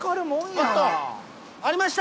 やった！